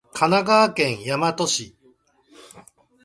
神奈川県大和市